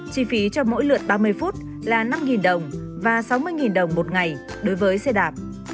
chi phí cho mỗi lượt ba mươi phút là năm đồng và sáu mươi đồng một ngày đối với xe đạp